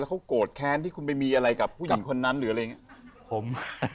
เขาโกรธแค้นที่คุณไปมีอะไรกับผู้หญิงคนนั้นหรืออะไรอย่างนี้